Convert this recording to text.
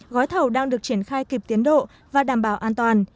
gói thầu đang được triển khai kịp tiến độ và đảm bảo an toàn